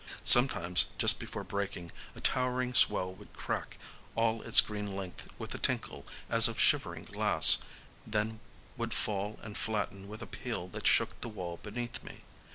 Sometimes, just before breaking, a towering swell would crack all its green length with a tinkle as of shivering glass; then would fall and flatten with a peal that shook the wall beneath me….